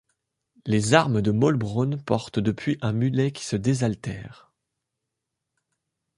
Les armes de Maulbronn portent depuis un mulet qui se désaltère.